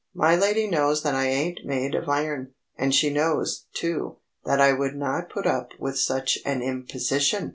My lady knows that I ain't made of iron, and she knows, too, that I would not put up with such an imposition!"